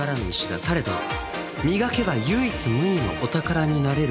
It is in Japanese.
されど磨けば唯一無二のお宝になれるかもしれん。